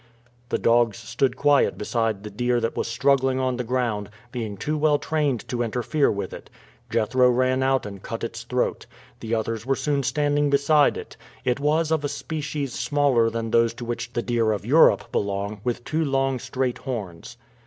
The dogs stood quiet beside the deer that was struggling on the ground, being too well trained to interfere with it. Jethro ran out and cut its throat. The others were soon standing beside it. It was of a species smaller than those to which the deer of Europe belong, with two long straight horns.